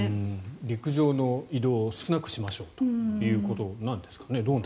陸上の移動を少なくしましょうということなんでしょうかね。